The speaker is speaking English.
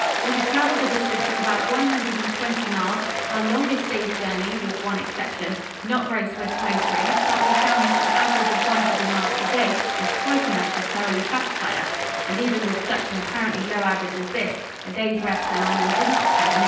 We had travelled a distance of about one hundred and twenty miles our longest day's journey, with one exception not very swift motoring, but we found that an average of one hundred miles per day was quite enough to thoroughly satisfy us, and even with such an apparently low average as this, a day's rest now and then did not come amiss.